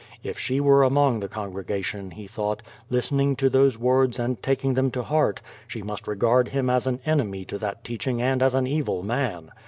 If she were among the congrega tion, he thought, listening to those words and taking them to heart, she must regard him as an enemy to that teiaiching and as an evil man.